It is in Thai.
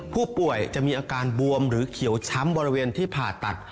ผู้ป่วยจะมีอาการบวมหรือเขียวช้ำบริเวณที่ผ่าตัด